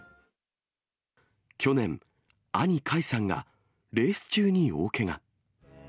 去年、兄、魁さんがレース中に大けが。